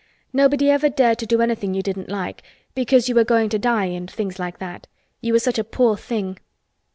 "Nobody ever dared to do anything you didn't like—because you were going to die and things like that. You were such a poor thing."